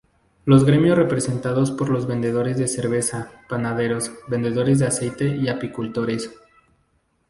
Los gremios representados por los vendedores de cerveza, panaderos, vendedores de aceite y apicultores.